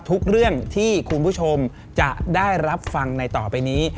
ทุกเรื่องที่คุณผู้ชมจะได้รับฟังในต่อไปนี้